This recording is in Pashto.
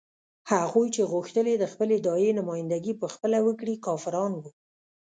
هغوی چې غوښتل یې د خپلې داعیې نمايندګي په خپله وکړي کافران وو.